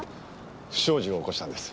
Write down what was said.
不祥事を起こしたんです。